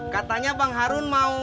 katanya bang harun mau